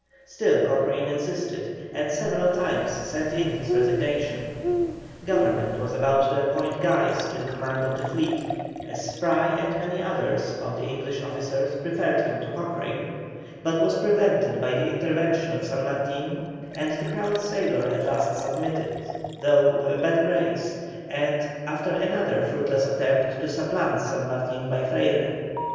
Still Cochrane insisted, and several times sent in his resignation. Government was about to appoint Guise to the command of the fleet, as Spry and many others of the English officers preferred him to Cochrane, but this was prevented by the intervention of San Martin, and the proud sailor at last submitted, though with a bad grace, after another fruitless attempt to supplant San Martin by Freyre.